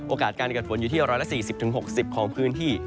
การเกิดฝนอยู่ที่๑๔๐๖๐ของพื้นที่